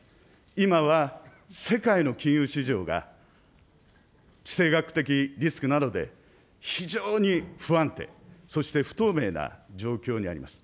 今は世界の金融市場が、地政学的リスクなどで、非常に不安定、そして不透明な状況にあります。